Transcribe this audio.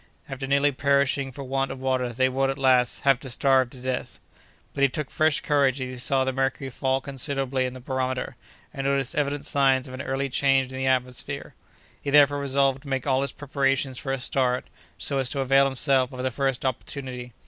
After nearly perishing for want of water, they would, at last, have to starve to death! But he took fresh courage as he saw the mercury fall considerably in the barometer, and noticed evident signs of an early change in the atmosphere. He therefore resolved to make all his preparations for a start, so as to avail himself of the first opportunity.